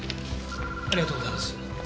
ありがとうございます。